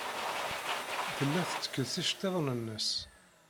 Tella tettekkes iceḍḍiḍen-nnes.